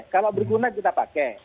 kalau berguna kita pakai